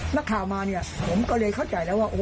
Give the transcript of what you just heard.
นักข่าวมาเนี่ยผมก็เลยเข้าใจแล้วว่า